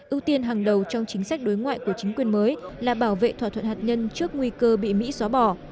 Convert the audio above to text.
ưu tiên hàng đầu trong chính sách đối ngoại của chính quyền mới là bảo vệ thỏa thuận hạt nhân trước nguy cơ bị mỹ xóa bỏ